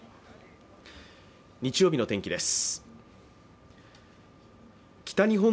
日曜日の天気です。